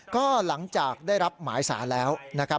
ก็หลังจากได้รับหมายสารแล้วนะครับ